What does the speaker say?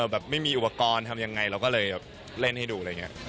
แบบไม่มีอุปกรณ์ทำยังไงเราก็เลยแบบเล่นให้ดูอะไรอย่างนี้